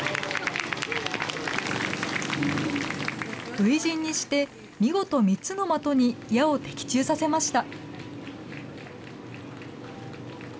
初陣にして、見事３つの的に矢を的中させました。